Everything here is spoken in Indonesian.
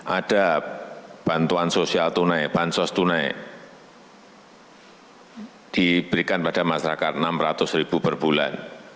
ada bantuan sosial tunai bansos tunai diberikan pada masyarakat rp enam ratus per bulan